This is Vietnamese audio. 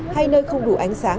hay nơi không đủ ánh sáng